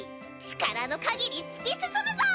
力のかぎり突き進むぞ！